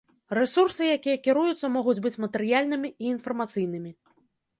Рэсурсы, якія кіруюцца, могуць быць матэрыяльнымі і інфармацыйнымі.